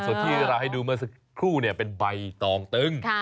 ส่วนที่เราให้ดูเมื่อสักครู่เป็นใบตองตึง